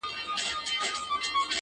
گراني خبري سوې پرې نه پوهېږم!